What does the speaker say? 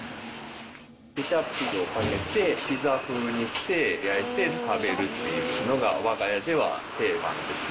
ケチャップをかけて、ピザ風にして焼いて食べるっていうのが、わが家では定番ですね。